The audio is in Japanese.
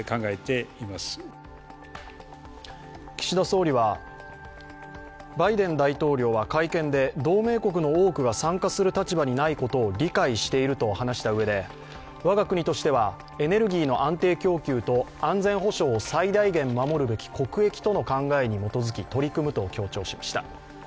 岸田総理は、バイデン大統領は会見で同盟国の多くが参加する立場にないことを理解していると話したうえで我が国としては、エネルギーの安定供給と安全保障を最大限守るべき国益との考えに基づき取り組むと強調しました。